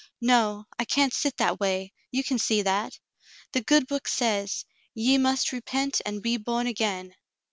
"No, I can't sit that way; you can see that. The good book says, 'Ye must repent and be born again.'"